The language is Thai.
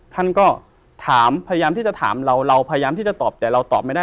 ท่านก็ถามพยายามที่จะถามเราเราพยายามที่จะตอบแต่เราตอบไม่ได้